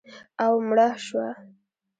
او مړه شوه